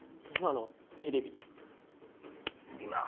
今のテレビ？